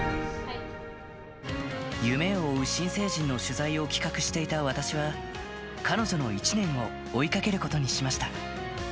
夢を追う新成人を取材する企画をしていた私は、彼女の１年を追いかけることにしました。